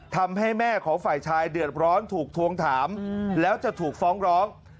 ทำให้แม่ของฝ่ายชายเดือดร้อนถูกทวงถามแล้วจะถูกฟ้องร้อง